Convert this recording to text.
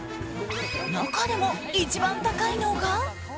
中でも一番高いのが。